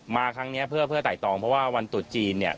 มาครั้งนี้เพื่อไต่ตองเพราะว่าวันตรุษจีนเนี่ย